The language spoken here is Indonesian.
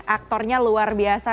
aktornya luar biasa